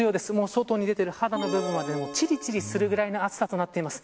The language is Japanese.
外に出ている肌の部分はちりちりするぐらい暑さとなっています。